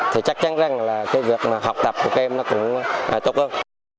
thì chắc chắn rằng là cái việc mà học tập của các em nó cũng tốt hơn